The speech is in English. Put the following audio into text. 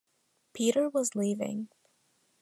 Peter was leaving.